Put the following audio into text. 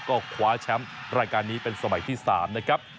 ก็คว้าแชมป์รายการนี้เป็นสมัยที่๓นะครับ